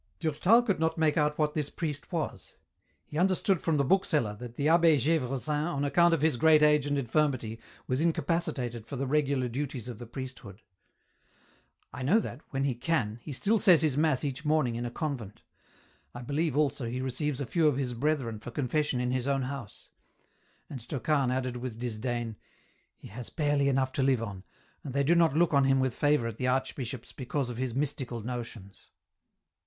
Durtal could not make out what this priest was. He understood from the bookseller, that the Ahh6 Gdvresin on account of his great age and infirmity was incapacitated for the regular duties of the priesthood. *' I know that, when he can, he still says his mass each morning in a convent ; I believe also he receives a few of his brethren for confession in his own house ;" and Tocane added with dis dain, " He has barely enough to live on, and they do not look on him with favour at the archbishop's because of his mystical notions."